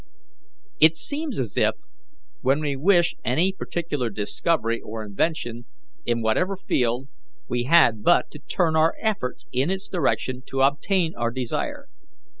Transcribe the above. "It seems as if, when we wish any particular discovery or invention, in whatever field, we had but to turn our efforts in its direction to obtain our desire.